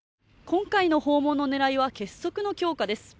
今回の訪問の狙いは結束の強化です。